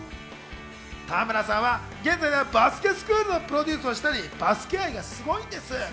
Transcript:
田村さんは現在ではバスケスクールをプロデュースしたり、バスケ愛がすごいんです。